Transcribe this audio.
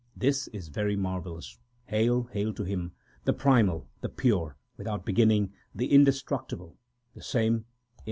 This is very marvellous. HAIL ! HAIL TO HIM, The primal, the pure, without beginning, the inde structible, the same in every age